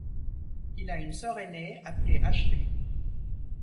Il a une sœur aînée appelée Ashley.